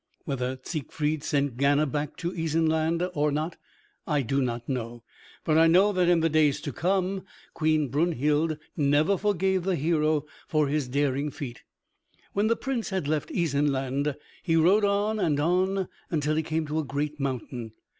Whether Siegfried sent Gana back to Isenland or not I do not know, but I know that in the days to come Queen Brunhild never forgave the hero for his daring feat. When the Prince had left Isenland he rode on and on until he came to a great mountain.